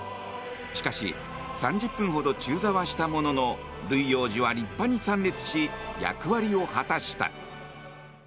しかし３０分ほど中座はしたもののルイ王子は立派に参列し役割を果たした。